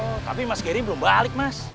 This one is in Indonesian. oh tapi mas geri belum balik mas